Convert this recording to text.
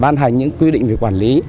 ban hành những quy định về quản lý